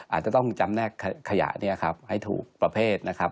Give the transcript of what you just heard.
อาจจะต้องจำแนกขยะเนี่ยครับให้ถูกประเภทนะครับ